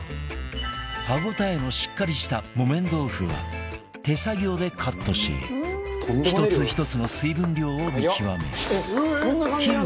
歯応えのしっかりした木綿豆腐は手作業でカットし１つ１つの水分量を見極め切る大きさを調整